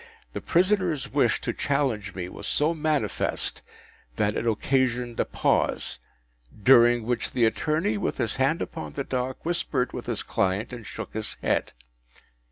The prisoner’s wish to challenge me was so manifest, that it occasioned a pause, during which the attorney, with his hand upon the dock, whispered with his client, and shook his head.